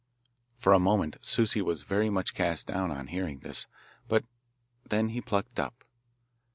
For a moment Souci was very much cast down on hearing this, but then he plucked up.